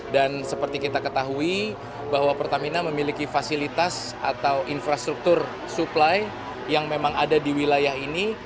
seperti kita ketahui bahwa pertamina memiliki fasilitas atau infrastruktur supply yang memang ada di wilayah ini